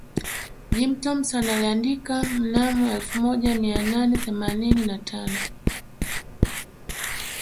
Jim Thompson aliandika mnamo elfu moja mia nane themanini na tano